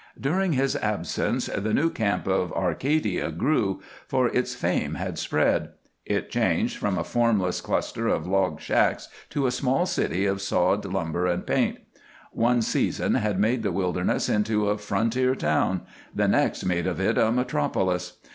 During his absence the new camp of Arcadia grew, for its fame had spread. It changed from a formless cluster of log shacks to a small city of sawed lumber and paint. One season had made the wilderness into a frontier town, the next made of it a metropolis.